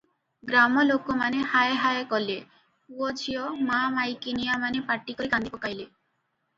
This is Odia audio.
ଗ୍ରାମଲୋକମାନେ ହାୟ ହାୟ କଲେ, ପୁଅ ଝିଅ ମା’ ମାଇକିନିଆମାନେ ପାଟିକରି କାନ୍ଦି ପକାଇଲେ।